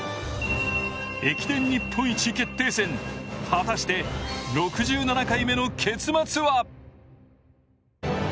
駅伝日本一決定戦、果たして６７回目の結末は？